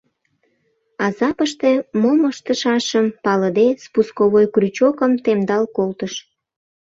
Азапыште мом ыштышашым палыде, спусковой крючокым темдал колтыш...